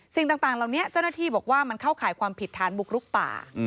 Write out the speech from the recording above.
สิ่งต่างเหล่านี้เจ้าหน้าที่บอกว่ามันเข้าข่ายความผิดฐานบุกรุกป่า